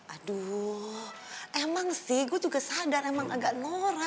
aduh emang sih gue juga sadar emang agak norah